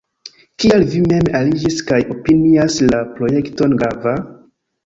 Kial vi mem aliĝis kaj opinias la projekton grava?